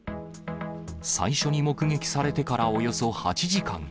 最初に目撃されてからおよそ８時間。